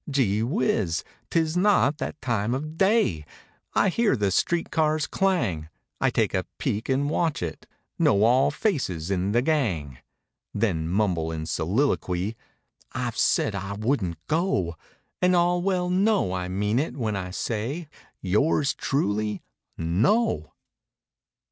Gee whiz, 'tis not that time of day! I hear the street cars clang; I take a peek and watch it—know all faces in the gang; Then mumble in soliloquy, "Fve said I wouldn't go," And all well know I mean it when I say, "Yours truly, no!"